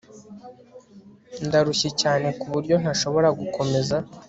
Ndarushye cyane kuburyo ntashobora gukomeza